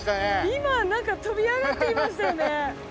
今なんか飛び上がっていましたよね。